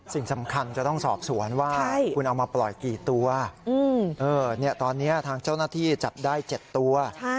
สิ่งสำคัญจะต้องสอบสวนว่าคุณเอามาปล่อยกี่ตัวตอนนี้ทางเจ้าหน้าที่จับได้๗ตัว